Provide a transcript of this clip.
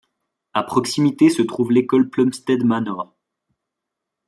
A proximité se trouve l'école Plumstead Manor.